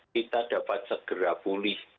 kita dapat segera pulih